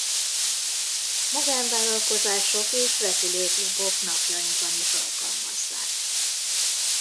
Magánvállalkozások és repülőklubok napjainkban is alkalmazzák.